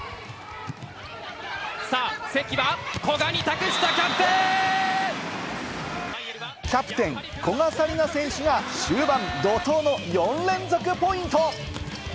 さぁ、関は古賀に託したキャキャプテン・古賀紗理那選手が終盤、怒涛の４連続ポイント。